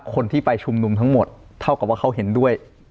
คนที่ไปชุมนุมทั้งหมดเท่ากับว่าเขาเห็นด้วย